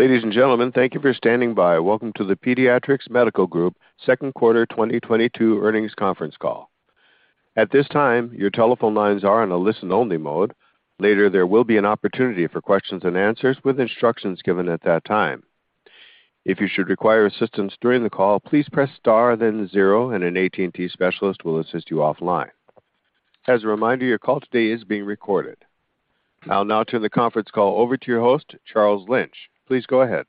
Ladies and gentlemen, thank you for standing by. Welcome to the Pediatrix Medical Group Q2 2022 earnings conference call. At this time, your telephone lines are in a listen-only mode. Later, there will be an opportunity for questions and answers with instructions given at that time. If you should require assistance during the call, please press star then zero, and an AT&T specialist will assist you offline. As a reminder, your call today is being recorded. I'll now turn the conference call over to your host, Charles Lynch. Please go ahead.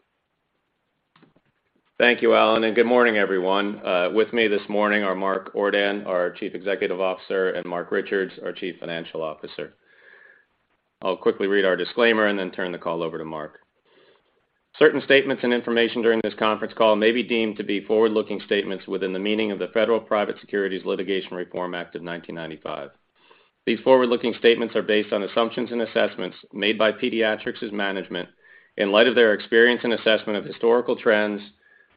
Thank you, Alan, and good morning, everyone. With me this morning are Mark Ordan, our Chief Executive Officer, and Marc Richards, our Chief Financial Officer. I'll quickly read our disclaimer and then turn the call over to Mark. Certain statements and information during this conference call may be deemed to be forward-looking statements within the meaning of the Private Securities Litigation Reform Act of 1995. These forward-looking statements are based on assumptions and assessments made by Pediatrix's management in light of their experience and assessment of historical trends,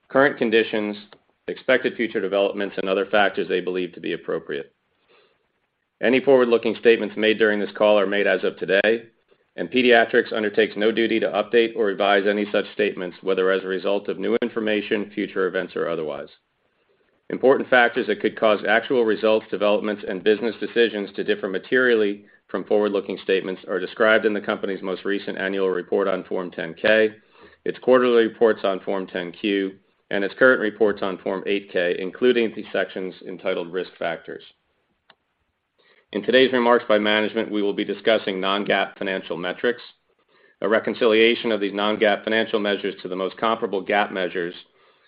current conditions, expected future developments, and other factors they believe to be appropriate. Any forward-looking statements made during this call are made as of today, and Pediatrix undertakes no duty to update or revise any such statements, whether as a result of new information, future events, or otherwise. Important factors that could cause actual results, developments, and business decisions to differ materially from forward-looking statements are described in the company's most recent annual report on Form 10-K, its quarterly reports on Form 10-Q, and its current reports on Form 8-K, including the sections entitled Risk Factors. In today's remarks by management, we will be discussing non-GAAP financial metrics. A reconciliation of these non-GAAP financial measures to the most comparable GAAP measures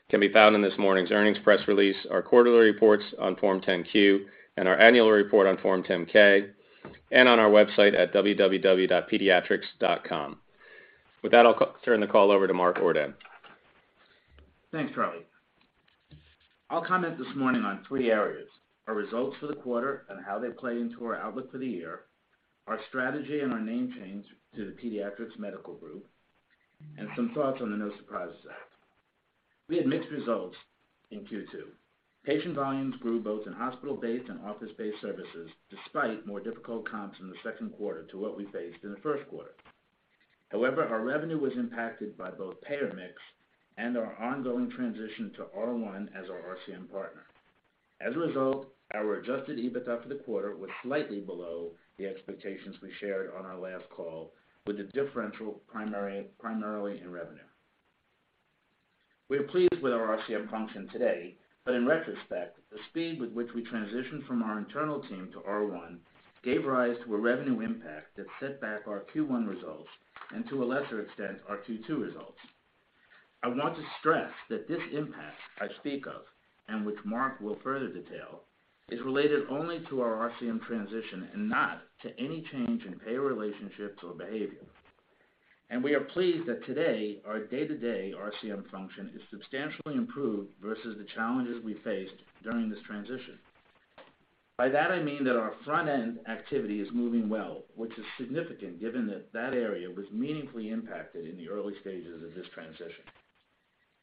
can be found in this morning's earnings press release, our quarterly reports on Form 10-Q, and our annual report on Form 10-K, and on our website at www.pediatrix.com. With that, I'll turn the call over to Mark Ordan. Thanks, Charlie. I'll comment this morning on three areas, our results for the quarter and how they play into our outlook for the year, our strategy and our name change to the Pediatrix Medical Group, and some thoughts on the No Surprises Act. We had mixed results in Q2. Patient volumes grew both in hospital-based and office-based services, despite more difficult comps in the Q2 to what we faced in the Q1. However, our revenue was impacted by both payer mix and our ongoing transition to R1 as our RCM partner. As a result, our Adjusted EBITDA for the quarter was slightly below the expectations we shared on our last call with the differential primarily in revenue. We are pleased with our RCM function today, but in retrospect, the speed with which we transitioned from our internal team to R1 gave rise to a revenue impact that set back our Q1 results and to a lesser extent, our Q2 results. I want to stress that this impact I speak of, and which Marc will further detail, is related only to our RCM transition and not to any change in payer relationships or behavior. We are pleased that today, our day-to-day RCM function is substantially improved versus the challenges we faced during this transition. By that, I mean that our front-end activity is moving well, which is significant given that area was meaningfully impacted in the early stages of this transition.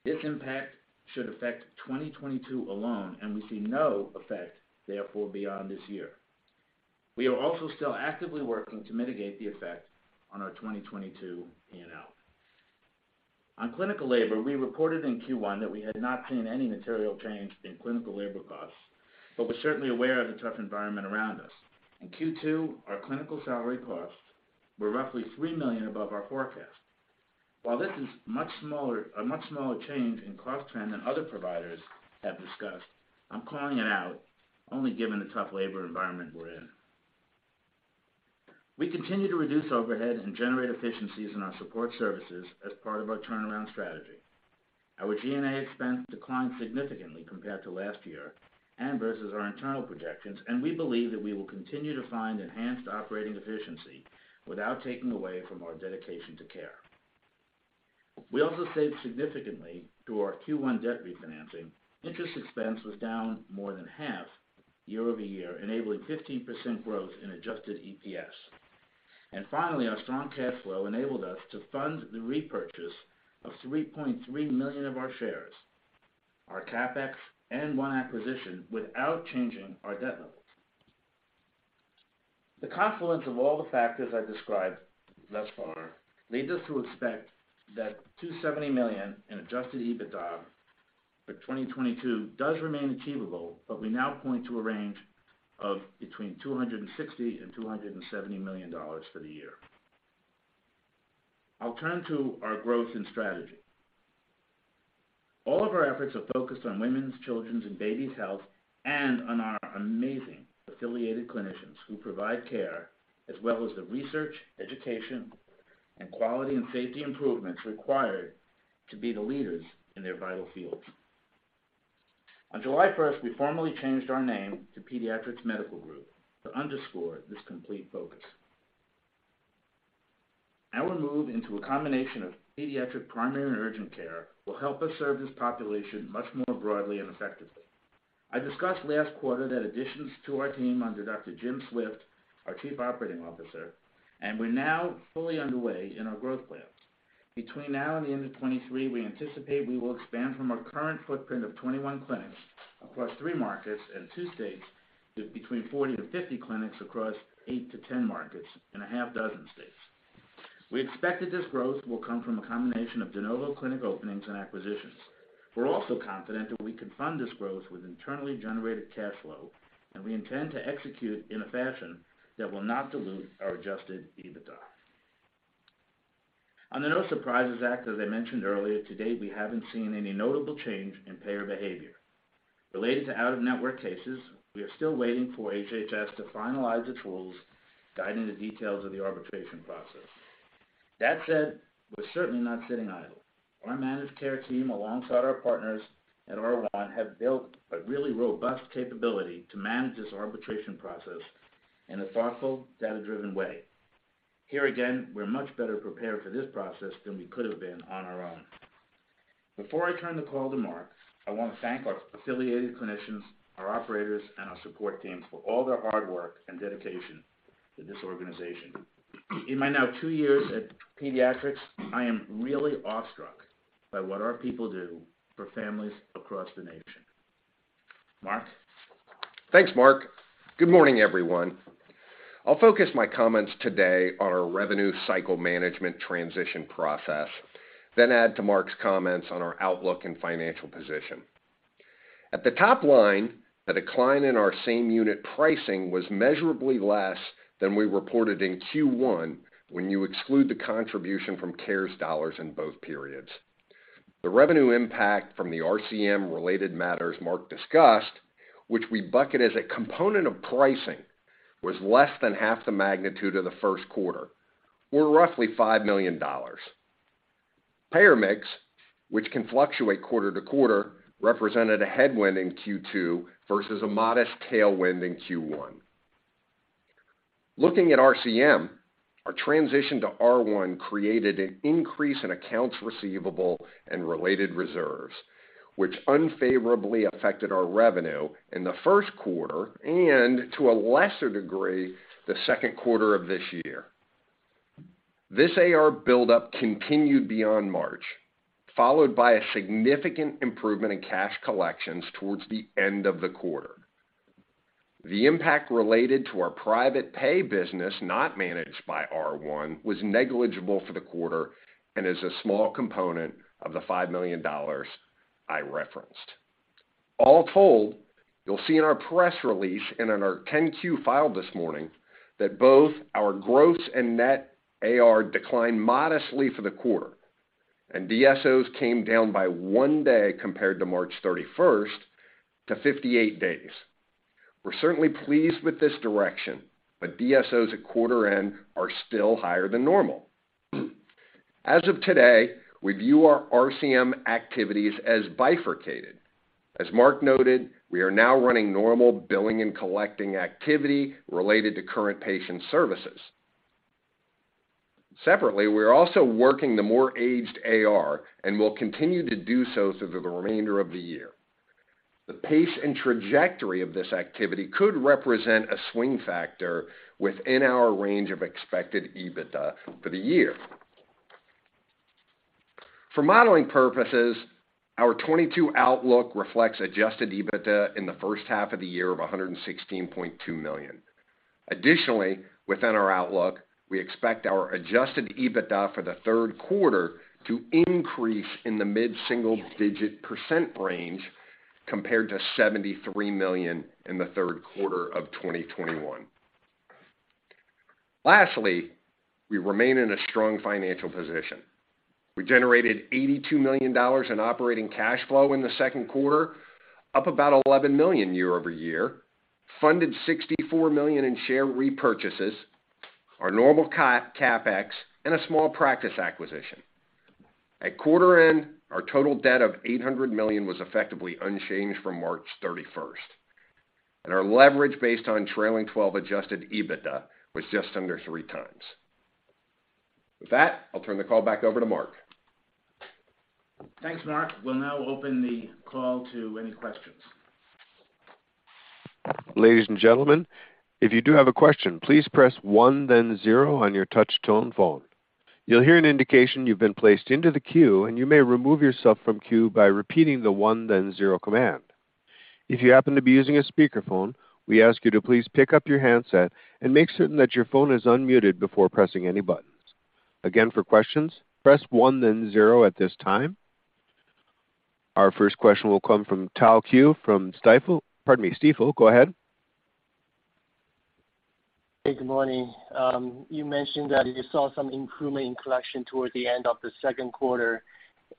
This impact should affect 2022 alone, and we see no effect, therefore, beyond this year. We are also still actively working to mitigate the effect on our 2022 P&L. On clinical labor, we reported in Q1 that we had not seen any material change in clinical labor costs, but we're certainly aware of the tough environment around us. In Q2, our clinical salary costs were roughly $3 million above our forecast. While this is much smaller, a much smaller change in cost trend than other providers have discussed, I'm calling it out only given the tough labor environment we're in. We continue to reduce overheads and generate efficiencies in our support services as part of our turnaround strategy. Our G&A expense declined significantly compared to last year and versus our internal projections, and we believe that we will continue to find enhanced operating efficiency without taking away from our dedication to care. We also saved significantly through our Q1 debt refinancing. Interest expense was down more than half year over year, enabling 15% growth in adjusted EPS. Finally, our strong cash flow enabled us to fund the repurchase of $3.3 million of our shares, our CapEx, and one acquisition without changing our debt levels. The confluence of all the factors I've described thus far leads us to expect that $270 million in adjusted EBITDA for 2022 does remain achievable, but we now point to a range of between $260 million and $270 million for the year. I'll turn to our growth and strategy. All of our efforts are focused on women's, children's, and babies' health and on our amazing affiliated clinicians who provide care as well as the research, education, and quality and safety improvements required to be the leaders in their vital fields. On July 1st, we formally changed our name to Pediatrix Medical Group to underscore this complete focus. Our move into a combination of pediatric primary and urgent care will help us serve this population much more broadly and effectively. I discussed last quarter the additions to our team under Dr. Jim Swift, our Chief Operating Officer, and we're now fully underway in our growth plans. Between now and the end of 2023, we anticipate we will expand from our current footprint of 21 clinics across 3 markets and 2 states with between 40-50 clinics across 8-10 markets in six states. We expect that this growth will come from a combination of de novo clinic openings and acquisitions. We're also confident that we can fund this growth with internally generated cash flow, and we intend to execute in a fashion that will not dilute our Adjusted EBITDA. On the No Surprises Act, as I mentioned earlier, to date, we haven't seen any notable change in payer behavior. Related to out-of-network cases, we are still waiting for HHS to finalize the tools guiding the details of the arbitration process. That said, we're certainly not sitting idle. Our managed care team, alongside our partners at R1, have built a really robust capability to manage this arbitration process in a thoughtful, data-driven way. Here again, we're much better prepared for this process than we could have been on our own. Before I turn the call to Marc, I want to thank our affiliated clinicians, our operators, and our support teams for all their hard work and dedication to this organization. In my now two years at Pediatrix, I am really awestruck by what our people do for families across the nation. Marc? Thanks, Mark. Good morning, everyone. I'll focus my comments today on our revenue cycle management transition process, then add to Mark's comments on our outlook and financial position. At the top line, the decline in our same unit pricing was measurably less than we reported in Q1 when you exclude the contribution from CARES dollars in both periods. The revenue impact from the RCM-related matters Mark discussed, which we bucket as a component of pricing, was less than half the magnitude of the Q1, or roughly $5 million. Payer mix, which can fluctuate quarter to quarter, represented a headwind in Q2 versus a modest tailwind in Q1. Looking at RCM, our transition to R1 created an increase in accounts receivable and related reserves, which unfavorably affected our revenue in the Q1 and, to a lesser degree, the Q2 of this year. This AR buildup continued beyond March, followed by a significant improvement in cash collections towards the end of the quarter. The impact related to our private pay business, not managed by R1, was negligible for the quarter and is a small component of the $5 million I referenced. All told, you'll see in our press release and in our 10-Q filing this morning that both our gross and net AR declined modestly for the quarter, and DSOs came down by one day compared to March 31st to 58 days. We're certainly pleased with this direction, but DSOs at quarter end are still higher than normal. As of today, we view our RCM activities as bifurcated. As Mark noted, we are now running normal billing and collecting activity related to current patient services. Separately, we're also working the more aged AR and will continue to do so through the remainder of the year. The pace and trajectory of this activity could represent a swing factor within our range of expected EBITDA for the year. For modeling purposes, our 2022 outlook reflects adjusted EBITDA in the H1 of the year of $116.2 million. Additionally, within our outlook, we expect our adjusted EBITDA for the Q3 to increase in the mid-single-digit% range compared to $73 million in the Q3 of 2021. Lastly, we remain in a strong financial position. We generated $82 million in operating cash flow in the Q2, up about $11 million year-over-year, funded $64 million in share repurchases, our normal CapEx, and a small practice acquisition. At quarter end, our total debt of $800 million was effectively unchanged from March 31st, and our leverage based on trailing twelve Adjusted EBITDA was just under 3x. With that, I'll turn the call back over to Mark. Thanks, Marc. We'll now open the call to any questions. Ladies and gentlemen, if you do have a question, please press one then zero on your touch tone phone. You'll hear an indication you've been placed into the queue, and you may remove yourself from queue by repeating the one then zero command. If you happen to be using a speakerphone, we ask you to please pick up your handset and make certain that your phone is unmuted before pressing any buttons. Again, for questions, press one then zero at this time. Our first question will come from Tao Qiu from Stifel, pardon me, Stifel. Go ahead. Hey, good morning. You mentioned that you saw some improvement in collection toward the end of the Q2,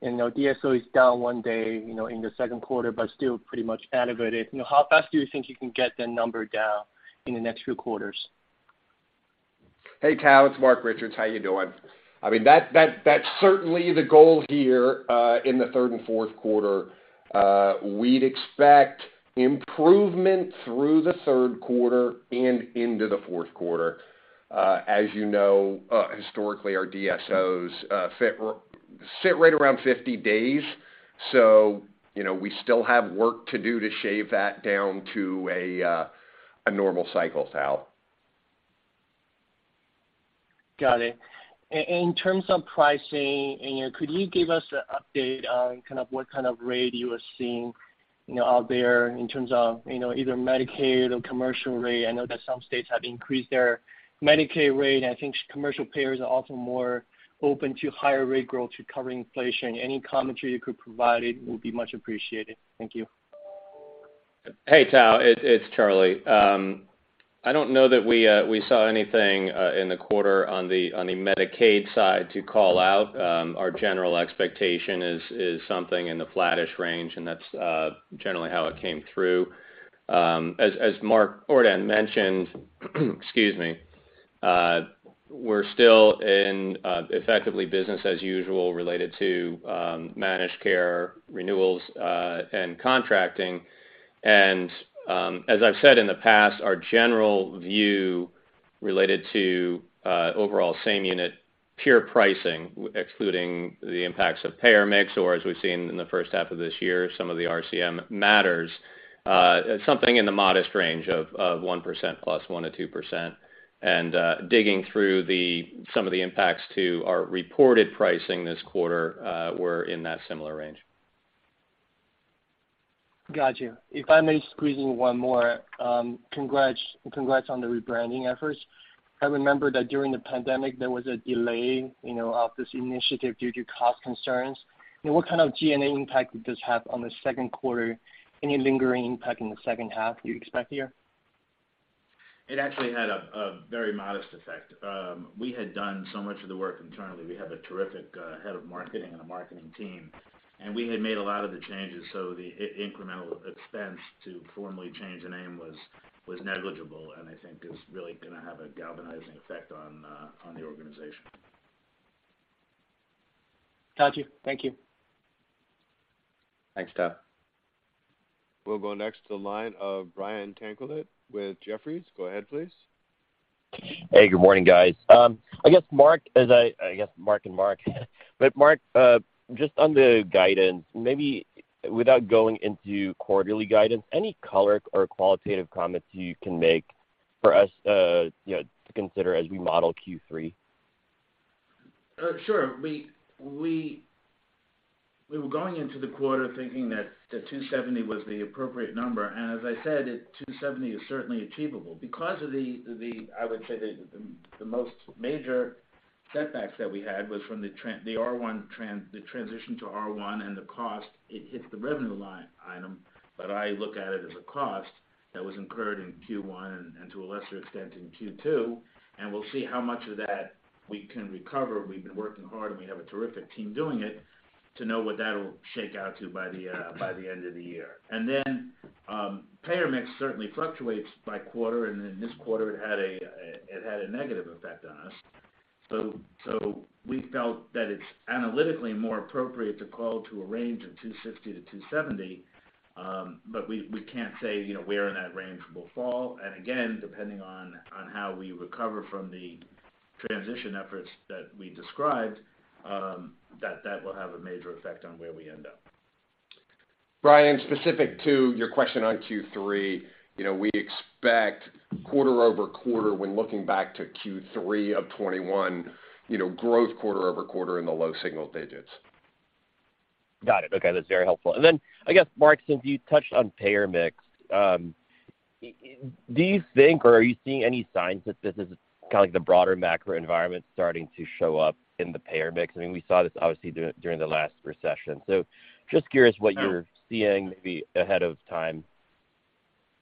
and, you know, DSO is down one day, you know, in the Q2, but still pretty much elevated. You know, how fast do you think you can get the number down in the next few quarters? Hey, Tao, it's Marc Richards. How you doing? I mean, that's certainly the goal here in the third and Q4. We'd expect improvement through the Q3 and into the Q4. As you know, historically, our DSO sat right around 50 days, so you know, we still have work to do to shave that down to a normal cycle, Tao. Got it. In terms of pricing, and yeah, could you give us an update on kind of what kind of rate you are seeing, you know, out there in terms of, you know, either Medicaid or commercial rate? I know that some states have increased their Medicaid rate, and I think commercial payers are also more open to higher rate growth to cover inflation. Any commentary you could provide, it would be much appreciated. Thank you. Hey, Tao. It's Charlie. I don't know that we saw anything in the quarter on the Medicaid side to call out. Our general expectation is something in the flattish range, and that's generally how it came through. As Mark Ordan mentioned, excuse me, we're still in effectively business as usual related to managed care renewals and contracting. As I've said in the past, our general view related to overall same unit peer pricing, excluding the impacts of payer mix or as we've seen in the first half of this year, some of the RCM matters, something in the modest range of 1%+, 1%-2%. Digging through some of the impacts to our reported pricing this quarter were in that similar range. Got you. If I may squeeze in one more. Congrats on the rebranding efforts. I remember that during the pandemic, there was a delay, you know, of this initiative due to cost concerns. You know, what kind of G&A impact did this have on the Q2? Any lingering impact in the second half you expect here? It actually had a very modest effect. We had done so much of the work internally. We have a terrific head of marketing and a marketing team, and we had made a lot of the changes, so the incremental expense to formally change the name was negligible, and I think is really gonna have a galvanizing effect on the organization. Got you. Thank you. Thanks, Tao. We'll go next to the line of Brian Tanquilut with Jefferies. Go ahead, please. Hey, good morning, guys. I guess Mark and Marc. But Mark, just on the guidance, maybe without going into quarterly guidance, any color or qualitative comments you can make for us, you know, to consider as we model Q3? Sure. We were going into the quarter thinking that the $270 was the appropriate number, and as I said, $270 is certainly achievable. Because of the, I would say the most major setbacks that we had was from the transition to R1 and the cost, it hit the revenue line item, but I look at it as a cost that was incurred in Q1 and to a lesser extent in Q2, and we'll see how much of that we can recover. We've been working hard, and we have a terrific team doing it to know what that'll shake out to by the end of the year. Payer mix certainly fluctuates by quarter, and in this quarter, it had a negative effect on us. We felt that it's analytically more appropriate to call to a range of 260-270, but we can't say, you know, where in that range it will fall. Again, depending on how we recover from the transition efforts that we described, that will have a major effect on where we end up. Brian, specific to your question on Q3, you know, we expect quarter-over-quarter when looking back to Q3 of 2021, you know, growth quarter-over-quarter in the low single digits. Got it. Okay, that's very helpful. I guess, Mark, since you touched on payer mix, do you think or are you seeing any signs that this is kind of like the broader macro environment starting to show up in the payer mix? I mean, we saw this obviously during the last recession. Just curious what you're seeing maybe ahead of time.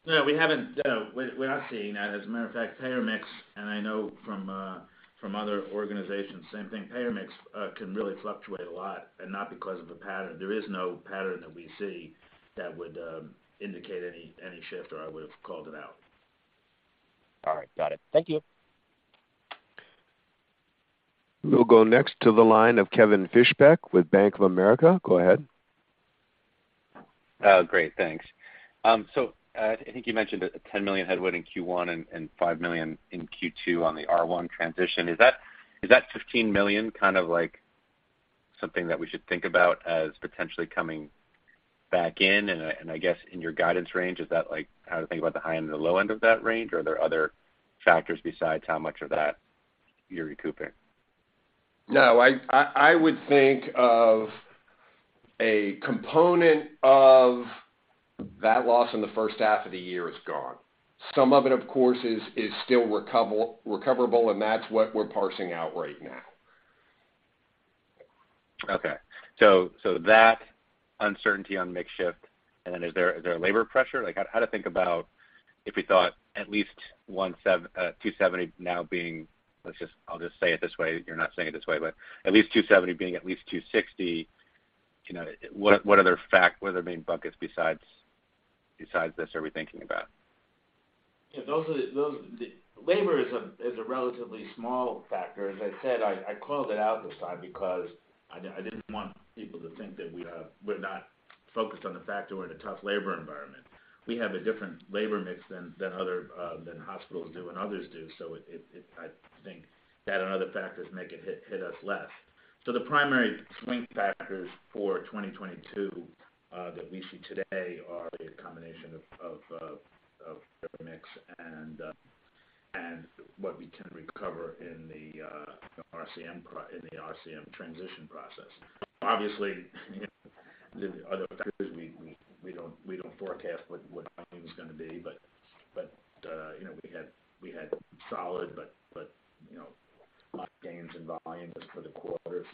No, we haven't. No, we're not seeing that. As a matter of fact, payer mix, and I know from other organizations, same thing, payer mix, can really fluctuate a lot and not because of a pattern. There is no pattern that we see that would indicate any shift, or I would've called it out. All right. Got it. Thank you. We'll go next to the line of Kevin Fischbeck with Bank of America. Go ahead. Oh, great. Thanks. I think you mentioned a $10 million headwind in Q1 and $5 million in Q2 on the R1 transition. Is that $15 million kind of like something that we should think about as potentially coming back in? I guess in your guidance range, is that like how to think about the high and the low end of that range? Are there other factors besides how much of that you're recouping? No, I would think of a component of that loss in the first half of the year is gone. Some of it, of course, is still recoverable, and that's what we're parsing out right now. That uncertainty on mix shift and then is there labor pressure? Like how to think about if we thought at least 270 now being, let's just I'll just say it this way, you're not saying it this way, but at least 270 being at least 260, you know, what other main buckets besides this are we thinking about? Yeah. Labor is a relatively small factor. As I said, I called it out this time because I didn't want people to think that we're not focused on the fact we're in a tough labor environment. We have a different labor mix than other than hospitals do and others do. I think that and other factors make it hit us less. The primary swing factors for 2022 that we see today are a combination of mix and what we can recover in the RCM transition process. Obviously, the other factors we don't forecast what volume's gonna be. You know, we had solid, but you know, a lot of gains in volume just for the quarter.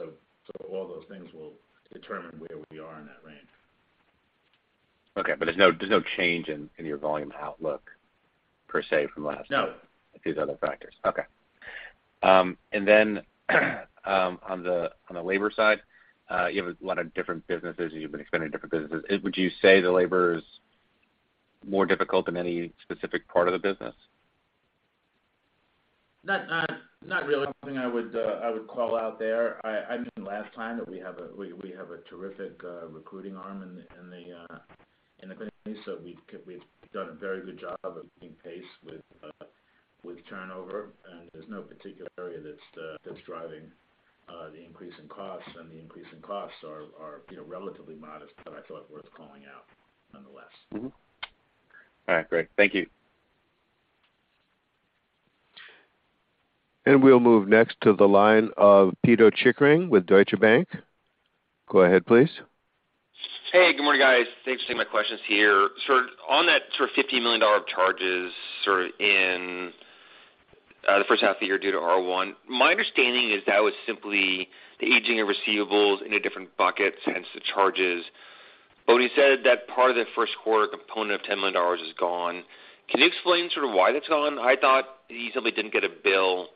All those things will determine where we are in that range. Okay, there's no change in your volume outlook per se from last quarter. No These other factors. Okay. On the labor side, you have a lot of different businesses, you've been expanding different businesses. Would you say the labor is more difficult than any specific part of the business? Not really something I would call out there. I mentioned last time that we have a terrific recruiting arm in the company, so we've done a very good job of keeping pace with turnover. There's no particular area that's driving the increase in costs, and the increase in costs are, you know, relatively modest, but I feel like worth calling out nonetheless. All right, great. Thank you. We'll move next to the line of Pito Chickering with Deutsche Bank. Go ahead, please. Hey, good morning, guys. Thanks for taking my questions here. Sort of on that sort of $50 million of charges sort of in the first half of the year due to R1, my understanding is that was simply the aging of receivables into different buckets, hence the charges. But when you said that part of the Q1 component of $10 million is gone, can you explain sort of why that's gone? I thought you simply didn't get a bill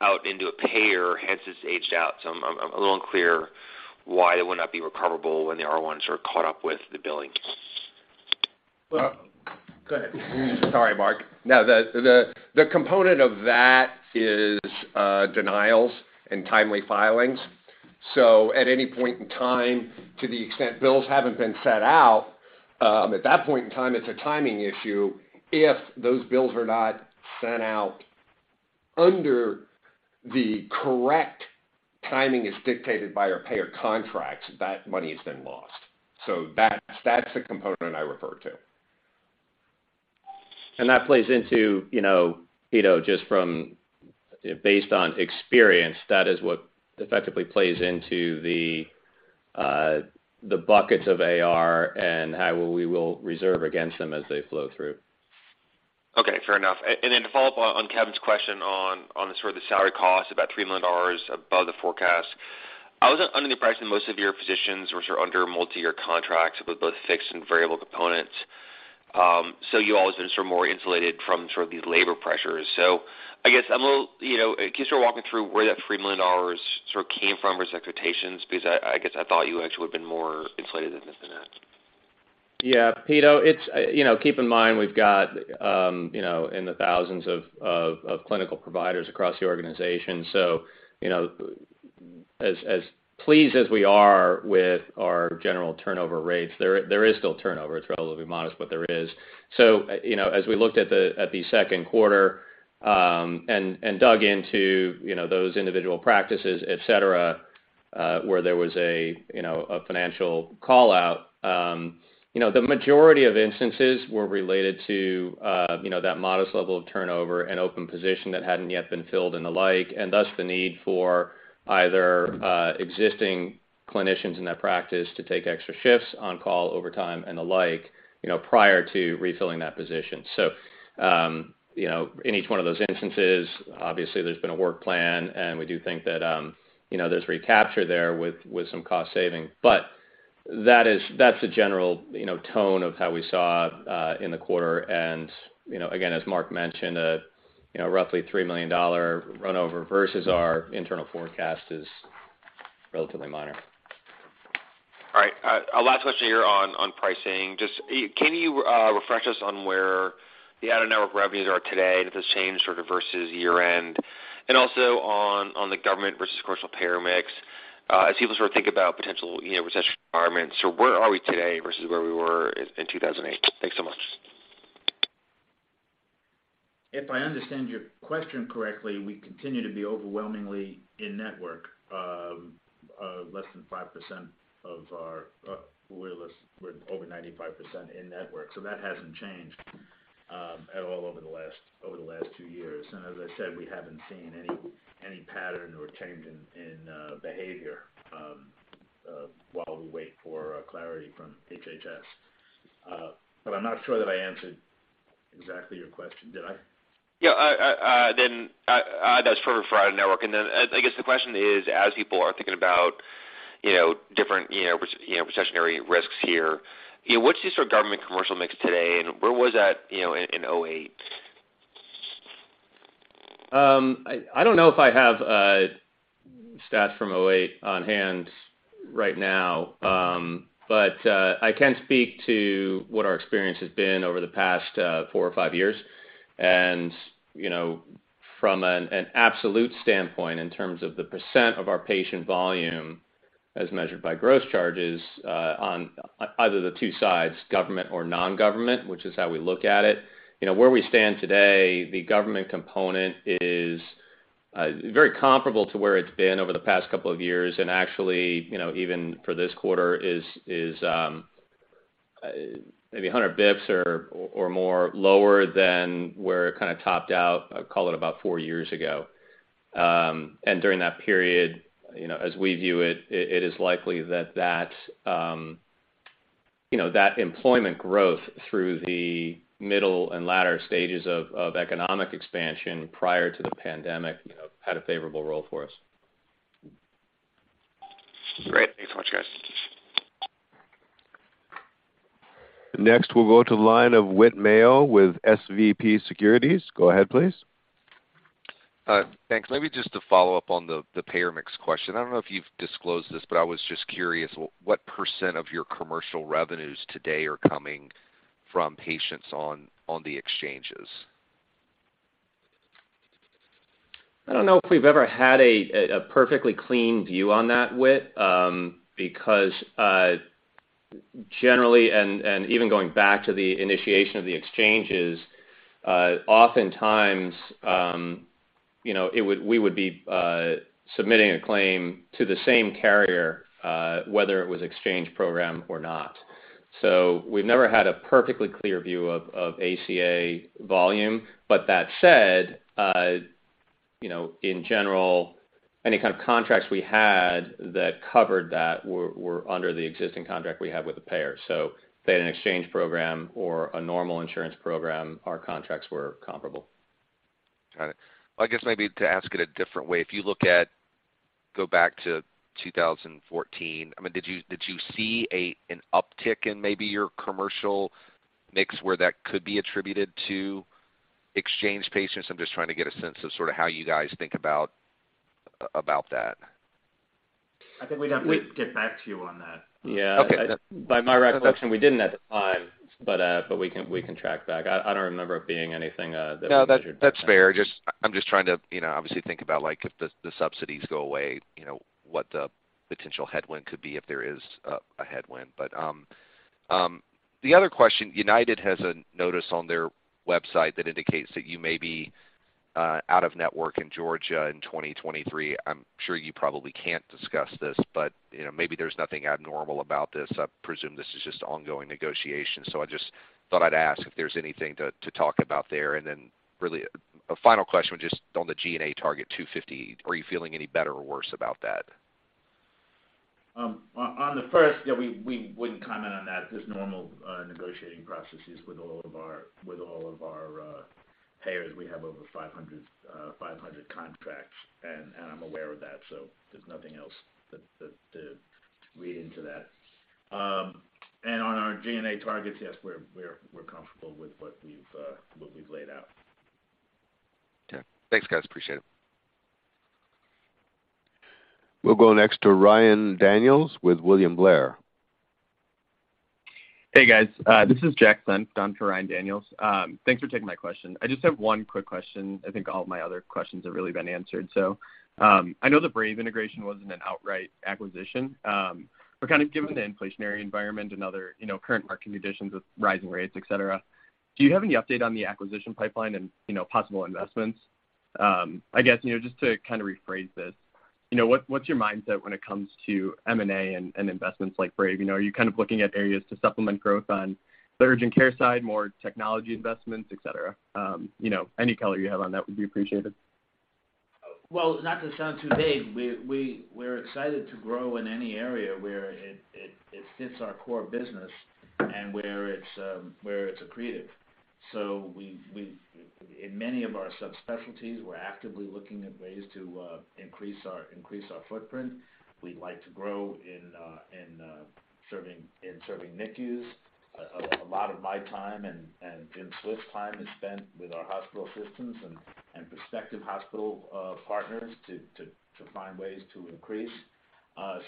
out into a payer, hence it's aged out. I'm a little unclear why it would not be recoverable when the R1s are caught up with the billing. Well- Go ahead. Sorry, Mark. No, the component of that is denials and timely filings. At any point in time, to the extent bills haven't been sent out, at that point in time, it's a timing issue. If those bills are not sent out under the correct timing as dictated by our payer contracts, that money is then lost. That's the component I refer to. That plays into, you know, Pito Chickering, just from based on experience, that is what effectively plays into the buckets of AR and how we will reserve against them as they flow through. Okay, fair enough. And then to follow up on Kevin's question on the sort of salary costs, about $3 million above the forecast, I was under the impression most of your physicians were sort of under multiyear contracts with both fixed and variable components. You always been sort of more insulated from sort of these labor pressures. I guess I'm a little, you know. Can you start walking through where that $3 million sort of came from versus expectations? Because I guess I thought you actually would've been more insulated than this, than that. Yeah, Pito, it's you know keep in mind we've got you know in the thousands of clinical providers across the organization. You know as pleased as we are with our general turnover rates, there is still turnover. It's relatively modest, but there is. You know as we looked at the Q2 and dug into you know those individual practices, et cetera, where there was a you know a financial call-out you know the majority of instances were related to you know that modest level of turnover and open position that hadn't yet been filled and the like, and thus the need for either existing clinicians in that practice to take extra shifts on call over time and the like, you know prior to refilling that position. you know, in each one of those instances, obviously there's been a work plan, and we do think that, you know, there's recapture there with some cost saving. That's the general, you know, tone of how we saw in the quarter. you know, again, as Marc mentioned, you know, roughly $3 million overrun versus our internal forecast is relatively minor. All right. A last question here on pricing. Just can you refresh us on where the out-of-network revenues are today, if they've changed sort of versus year-end? Also on the government versus commercial payer mix. As people sort of think about potential, you know, recession requirements, so where are we today versus where we were in 2008? Thanks so much. If I understand your question correctly, we continue to be overwhelmingly in-network. Less than 5% of our waitlist. We're over 95% in-network, so that hasn't changed at all over the last two years. As I said, we haven't seen any pattern or change in behavior while we wait for clarity from HHS. But I'm not sure that I answered exactly your question. Did I? Yeah. That's for out-of-network. I guess the question is, as people are thinking about, you know, different, you know, recessionary risks here, you know, what's the sort of government commercial mix today, and where was that, you know, in 2008? I don't know if I have stats from 2008 on hand right now. I can speak to what our experience has been over the past four or five years. You know, from an absolute standpoint in terms of the percent of our patient volume as measured by gross charges on either the two sides, government or non-government, which is how we look at it. You know, where we stand today, the government component is very comparable to where it's been over the past couple of years. Actually, you know, even for this quarter is maybe 100 basis points or more lower than where it kinda topped out, call it about four years ago. During that period, you know, as we view it is likely that employment growth through the middle and latter stages of economic expansion prior to the pandemic, you know, had a favorable role for us. Great. Thanks so much, guys. Next, we'll go to the line of Whit Mayo with SVB Securities. Go ahead, please. Thanks. Maybe just to follow up on the payer mix question. I don't know if you've disclosed this, but I was just curious what % of your commercial revenues today are coming from patients on the exchanges? I don't know if we've ever had a perfectly clean view on that, Whit, because generally and even going back to the initiation of the exchanges, oftentimes you know we would be submitting a claim to the same carrier whether it was exchange program or not. We've never had a perfectly clear view of ACA volume. That said, you know, in general, any kind of contracts we had that covered that were under the existing contract we have with the payer. They had an exchange program or a normal insurance program, our contracts were comparable. Got it. Well, I guess maybe to ask it a different way. If you look at, go back to 2014, I mean, did you see an uptick in maybe your commercial mix where that could be attributed to exchange patients? I'm just trying to get a sense of sorta how you guys think about that. I think we'd have to get back to you on that. Yeah. Okay. By my recollection, we didn't at the time, but we can track back. I don't remember it being anything that we measured back then. No, that's fair. Just, I'm just trying to, you know, obviously think about, like, if the subsidies go away, you know, what the potential headwind could be if there is a headwind. The other question, UnitedHealthcare has a notice on their website that indicates that you may be out of network in Georgia in 2023. I'm sure you probably can't discuss this, but, you know, maybe there's nothing abnormal about this. I presume this is just ongoing negotiations. I just thought I'd ask if there's anything to talk about there. Really a final question just on the G&A target $250. Are you feeling any better or worse about that? On the first, we wouldn't comment on that. Just normal negotiating processes with all of our payers. We have over 500 contracts, and I'm aware of that, so there's nothing else to read into that. On our G&A targets, we're comfortable with what we've laid out. Okay. Thanks, guys. Appreciate it. We'll go next to Ryan Daniels with William Blair. Hey, guys. This is Jack Flint on for Ryan Daniels. Thanks for taking my question. I just have one quick question. I think all my other questions have really been answered. I know the Brave Care integration wasn't an outright acquisition. But kinda given the inflationary environment and other, you know, current market conditions with rising rates, et cetera, do you have any update on the acquisition pipeline and, you know, possible investments? I guess, you know, just to kinda rephrase this, you know, what's your mindset when it comes to M&A and investments like Brave Care? You know, are you kind of looking at areas to supplement growth on the urgent care side, more technology investments, et cetera? You know, any color you have on that would be appreciated. Well, not to sound too vague, we're excited to grow in any area where it fits our core business and where it's accretive. In many of our subspecialties, we're actively looking at ways to increase our footprint. We'd like to grow in serving NICUs. A lot of my time and Jim Swift's time is spent with our hospital systems and prospective hospital partners to find ways to increase.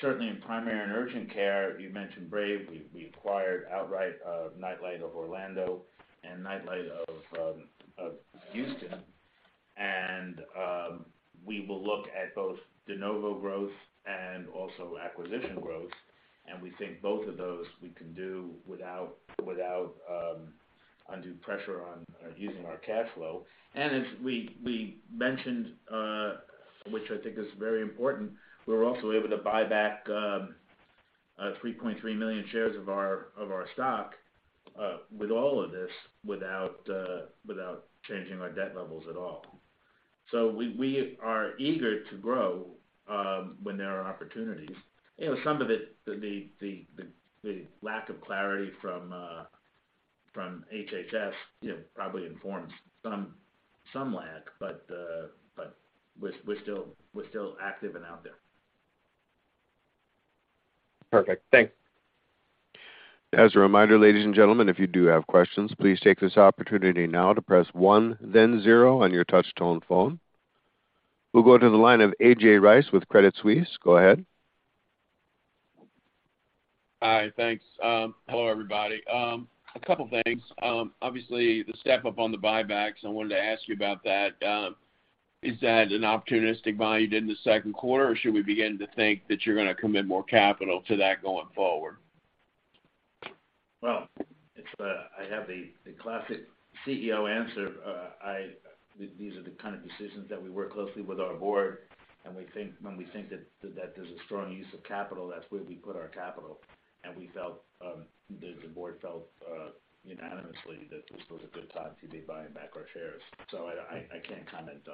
Certainly in primary and urgent care, you mentioned Brave. We acquired outright NightLight of Orlando and NightLight of Houston. We will look at both de novo growth and also acquisition growth, and we think both of those we can do without undue pressure on using our cash flow. As we mentioned, which I think is very important, we're also able to buy back 3.3 million shares of our stock with all of this without changing our debt levels at all. We are eager to grow when there are opportunities. You know, some of it, the lack of clarity from HHS, you know, probably informs some lag, but we're still active and out there. Perfect. Thanks. As a reminder, ladies and gentlemen, if you do have questions, please take this opportunity now to press one then zero on your touch tone phone. We'll go to the line of A.J. Rice with Credit Suisse. Go ahead. Hi. Thanks. Hello, everybody. A couple things. Obviously, the step-up on the buybacks, I wanted to ask you about that. Is that an opportunistic buy you did in the Q2, or should we begin to think that you're gonna commit more capital to that going forward? Well, I have the classic CEO answer. These are the kind of decisions that we work closely with our board, and we think when we think that that is a strong use of capital, that's where we put our capital. We felt the board felt unanimously that this was a good time to be buying back our shares. I can't comment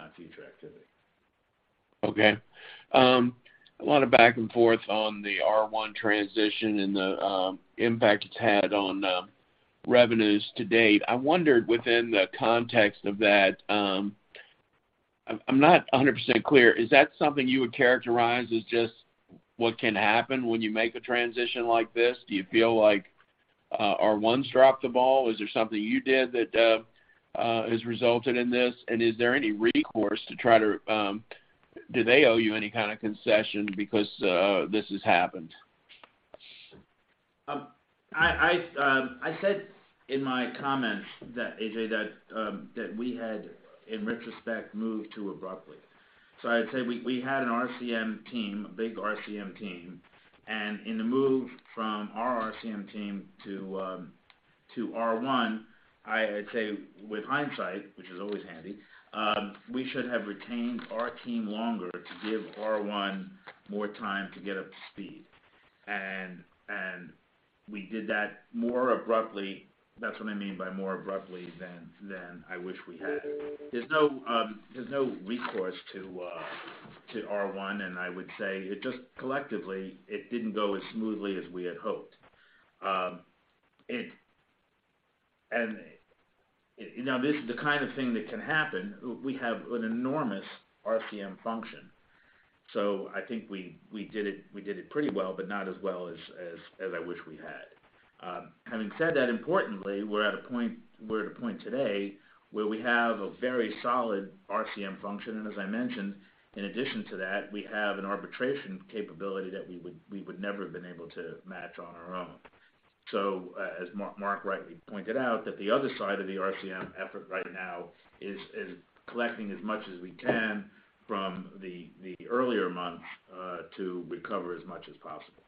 on future activity. Okay. A lot of back and forth on the R1 transition and the impact it's had on revenues to date. I wondered within the context of that. I'm not 100% clear. Is that something you would characterize as just what can happen when you make a transition like this? Do you feel like R1's dropped the ball? Is there something you did that has resulted in this? Is there any recourse? Do they owe you any kind of concession because this has happened? I said in my comments that, A.J., that we had, in retrospect, moved too abruptly. I'd say we had an RCM team, a big RCM team, and in the move from our RCM team to R1, I'd say with hindsight, which is always handy, we should have retained our team longer to give R1 more time to get up to speed. We did that more abruptly, that's what I mean by more abruptly, than I wish we had. There's no recourse to R1, and I would say it just collectively didn't go as smoothly as we had hoped. You know, this is the kind of thing that can happen. We have an enormous RCM function, so I think we did it pretty well, but not as well as I wish we had. Having said that, importantly, we're at a point today where we have a very solid RCM function. As I mentioned, in addition to that, we have an arbitration capability that we would never have been able to match on our own. As Marc rightly pointed out, the other side of the RCM effort right now is collecting as much as we can from the earlier months to recover as much as possible.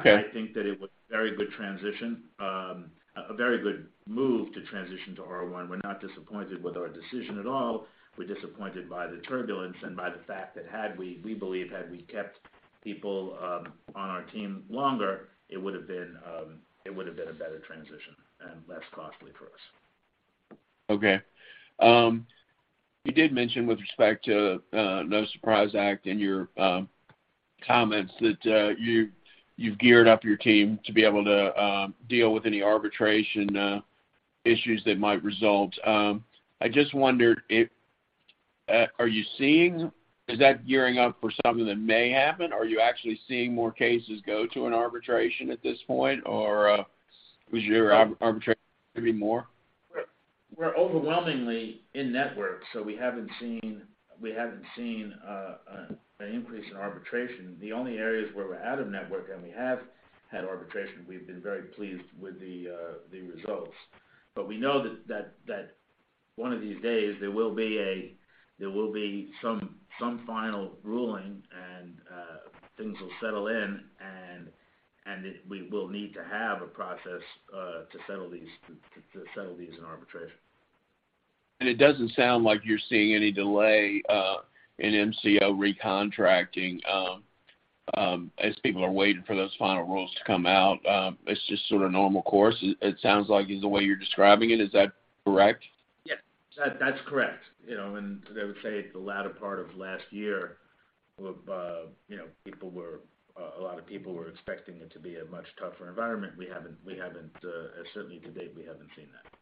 Okay. I think that it was a very good transition, a very good move to transition to R1. We're not disappointed with our decision at all. We're disappointed by the turbulence and by the fact that we believe had we kept people on our team longer, it would have been a better transition and less costly for us. Okay. You did mention with respect to No Surprises Act in your comments that you've geared up your team to be able to deal with any arbitration issues that might result. I just wondered if Is that gearing up for something that may happen, or are you actually seeing more cases go to an arbitration at this point? Or, was your arbitration maybe more? We're overwhelmingly in-network, so we haven't seen an increase in arbitration. The only areas where we're out-of-network and we have had arbitration, we've been very pleased with the results. We know that one of these days, there will be some final ruling and things will settle in and we will need to have a process to settle these in arbitration. It doesn't sound like you're seeing any delay in MCO recontracting, as people are waiting for those final rules to come out. It's just sort of normal course it sounds like, is the way you're describing it. Is that correct? Yeah, that's correct. You know, they would say the latter part of last year, you know, a lot of people were expecting it to be a much tougher environment. Certainly to date, we haven't seen that.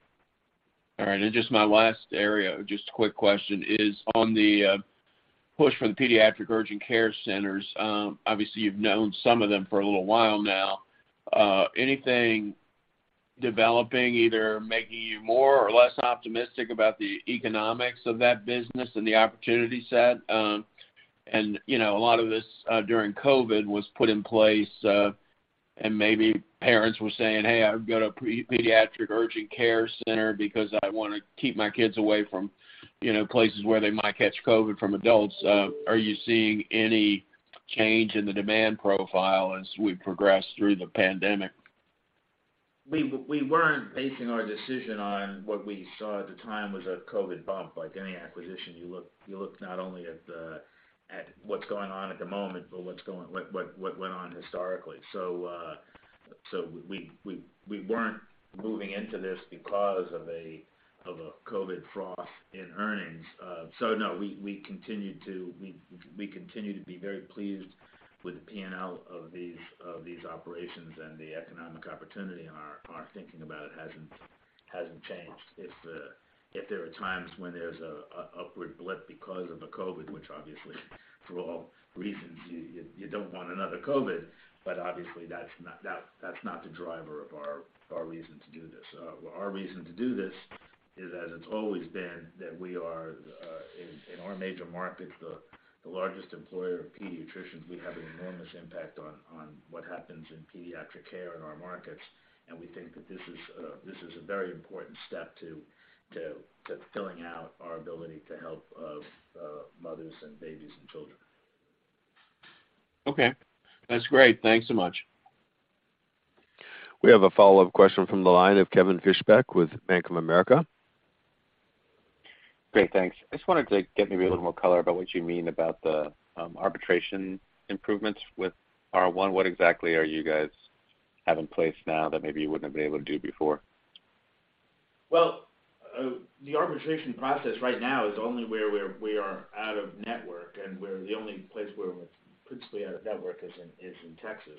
All right. Just my last area, just a quick question, is on the push for the pediatric urgent care centers, obviously, you've known some of them for a little while now. Anything developing, either making you more or less optimistic about the economics of that business and the opportunity set? You know, a lot of this during COVID was put in place, and maybe parents were saying, "Hey, I've got a pediatric urgent care center because I wanna keep my kids away from, you know, places where they might catch COVID from adults." Are you seeing any change in the demand profile as we progress through the pandemic? We weren't basing our decision on what we saw at the time was a COVID bump. Like any acquisition, you look not only at what's going on at the moment, but what went on historically. We weren't moving into this because of a COVID froth in earnings. No, we continue to be very pleased with the P&L of these operations and the economic opportunity, and our thinking about it hasn't changed. If there are times when there's an upward blip because of a COVID, which obviously for all reasons, you don't want another COVID, but obviously that's not the driver of our reason to do this. Our reason to do this is as it's always been that we are in our major markets the largest employer of pediatricians. We have an enormous impact on what happens in pediatric care in our markets, and we think that this is a very important step to filling out our ability to help mothers and babies and children. Okay, that's great. Thanks so much. We have a follow-up question from the line of Kevin Fischbeck with Bank of America. Great, thanks. I just wanted to get maybe a little more color about what you mean about the arbitration improvements with R1. What exactly are you guys have in place now that maybe you wouldn't have been able to do before? Well, the arbitration process right now is only where we are out of network, and we're the only place where we're principally out of network is in Texas.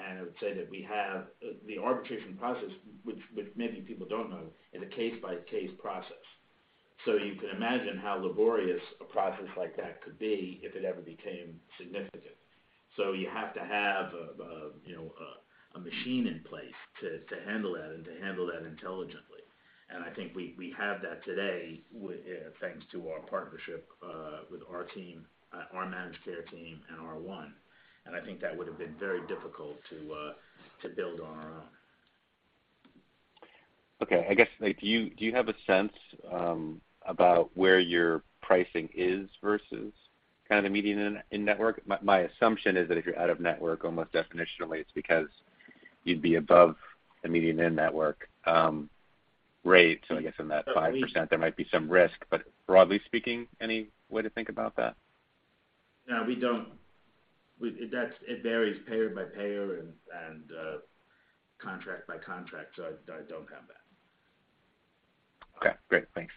I would say that we have the arbitration process, which maybe people don't know, is a case-by-case process. You can imagine how laborious a process like that could be if it ever became significant. You have to have you know a machine in place to handle that and to handle that intelligently. I think we have that today thanks to our partnership with our team, our managed care team and R1. I think that would have been very difficult to build on our own. Okay. I guess, like, do you have a sense about where your pricing is versus kind of the median in network? My assumption is that if you're out of network, almost definitionally, it's because you'd be above the median in-network rate. I guess in that 5%, there might be some risk, but broadly speaking, any way to think about that? No, we don't. It varies payer by payer and contract by contract, so I don't have that. Okay, great. Thanks.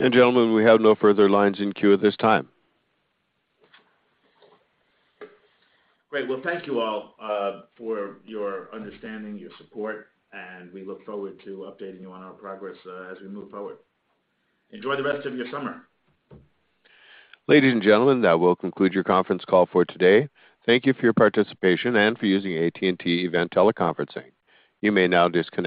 Gentlemen, we have no further lines in queue at this time. Great. Well, thank you all, for your understanding, your support, and we look forward to updating you on our progress, as we move forward. Enjoy the rest of your summer. Ladies and gentlemen, that will conclude your conference call for today. Thank you for your participation and for using AT&T Event Conferencing. You may now disconnect.